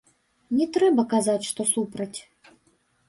Не трэба казаць, што супраць.